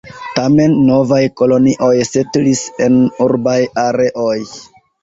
Tamen, novaj kolonioj setlis en urbaj areoj.